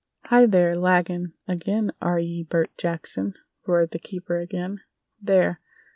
"Hi, there! Laggin' ag'in, air ye, Bert Jackson!" roared the keeper again. "There!